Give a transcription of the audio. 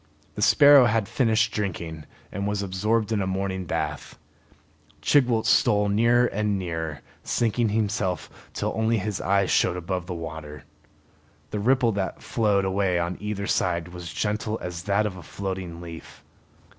The sparrow had finished drinking and was absorbed in a morning bath. Chigwooltz stole nearer and nearer, sinking himself till only his eyes showed above water. The ripple that flowed away on either side was gentle as that of a floating leaf.